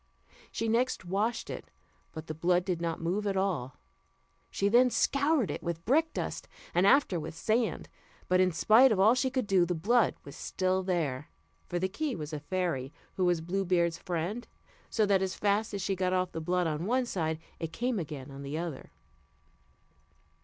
She next washed it, but the blood did not move at all. She then scoured it with brickdust, and after with sand, but in spite of all she could do, the blood was still there; for the key was a fairy who was Blue Beard's friend; so that as fast as she got off the blood on one side, it came again on the other.